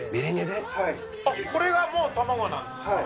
あっこれがもう卵なんですか？